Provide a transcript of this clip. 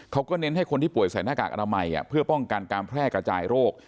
เขาก็เน้นให้คนที่ป่วยใส่หน้ากากอนามัยเพื่อป้องกันการแพร่กระจายโรค